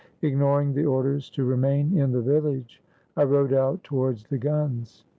Ignoring the orders to remain in the village, I rode out towards the guns.